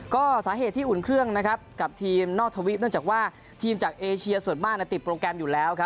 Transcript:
ก็สาเหตุที่อุ่นเครื่องกับทีมนอกทวิปเนื่องจากว่าทีมจากเอเชียส่วนมากติดโปรแกรมอยู่แล้วครับ